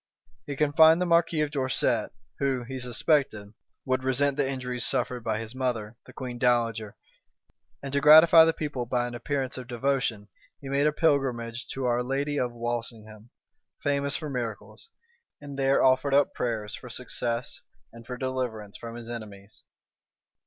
He confined the marquis of Dorset, who, he suspected, would resent the injuries suffered by his mother, the queen dowager; and, to gratify the people by an appearance of devotion, he made a pilgrimage to our lady of Walsingham, famous for miracles; and there offered up prayers for success, and for deliverance from his enemies.